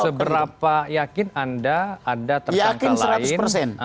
seberapa yakin anda ada tersangka lain